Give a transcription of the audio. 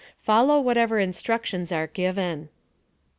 Follow whatever instructions are given.